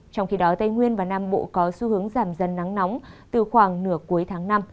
trong khi đó tây nguyên và nam bộ có xu hướng giảm dần nắng nóng từ khoảng nửa cuối tháng năm